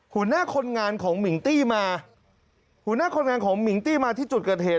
หัวหน้าคนงานของมิงตี้มาหัวหน้าคนงานของมิงตี้มาที่จุดเกิดเหตุ